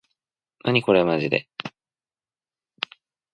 なにこれまじで